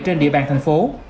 trên địa bàn thành phố